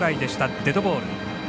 デッドボール。